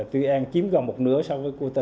tuy an chiếm gần một nửa so với quốc tế